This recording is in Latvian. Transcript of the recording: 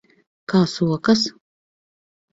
Kā sokas?